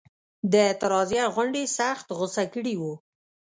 د اعتراضیه غونډې سخت غوسه کړي وو.